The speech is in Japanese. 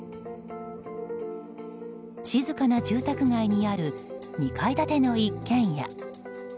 静かな住宅街にある２階建ての一軒家。